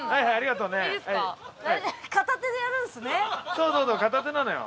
片手なのよ。